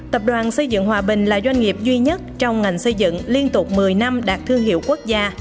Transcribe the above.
tập đoàn xây dựng hòa bình là doanh nghiệp duy nhất trong ngành xây dựng liên tục một mươi năm đạt thương hiệu quốc gia